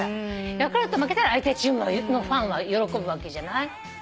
ヤクルト負けたら相手チームのファンは喜ぶわけじゃない。